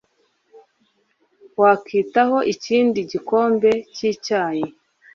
Wakwitaho ikindi gikombe cyicyayi?